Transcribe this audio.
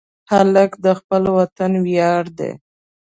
هلک د خپل وطن ویاړ دی.